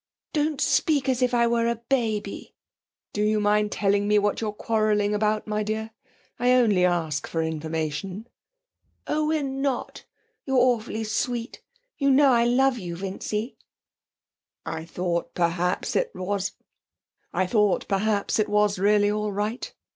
'Don't speak as if I were a baby!' 'Do you mind telling me what we're quarrelling about, my dear? I only ask for information.' 'Oh, we're not. You're awfully sweet. You know I love you, Vincy.' 'I thought, perhaps, it was really all right.'